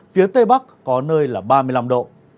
phía tây bắc có nơi là ba mươi năm độ